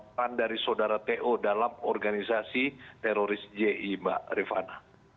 peran dari saudara to dalam organisasi teroris ji mbak rifana